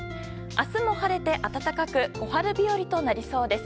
明日も晴れて暖かく小春日和となりそうです。